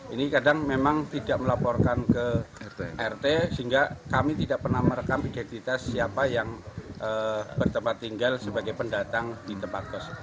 ini kadang memang tidak melaporkan ke rt sehingga kami tidak pernah merekam identitas siapa yang bertempat tinggal sebagai pendatang di tempat kos